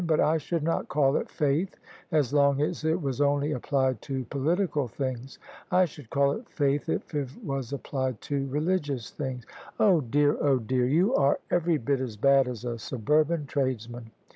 But I should not call it faith as long as it was only applied to political things: I should call it faith if it was applied to religious things." "Oh, dear, oh, dear! You are every bit as bad as a suburban tradesman.